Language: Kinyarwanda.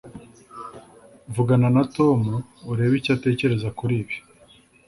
vugana na tom urebe icyo atekereza kuri ibi